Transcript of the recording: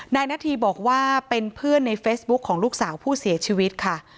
นาธีบอกว่าเป็นเพื่อนในเฟซบุ๊คของลูกสาวผู้เสียชีวิตค่ะ